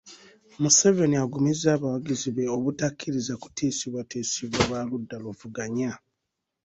Museveni agumizza abawagizi be obutakkiriza kutiisibwatiisibwa ba ludda luvuganya